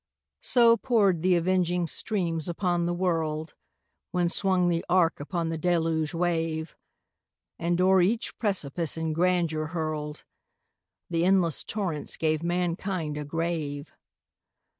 So poured the avenging streams upon the world When swung the ark upon the deluge wave, And, o'er each precipice in grandeur hurled, The endless torrents gave mankind a grave.